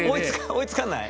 追いつかない？